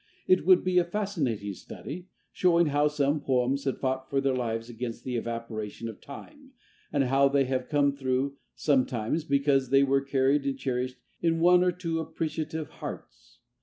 It would be a fascinating study, showing how some poems have fought for their lives against the evaporation of Time, and how they have come through, sometimes, because they were carried and cherished in one or two appreciative hearts.